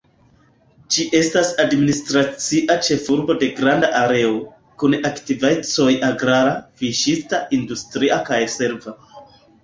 Ĝi estas administracia ĉefurbo de granda areo, kun aktivecoj agrara, fiŝista, industria kaj serva.